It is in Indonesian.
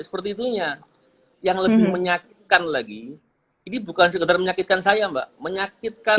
seperti itunya yang lebih menyakitkan lagi ini bukan sekedar menyakitkan saya mbak menyakitkan